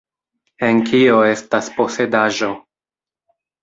En "Kio estas Posedaĵo?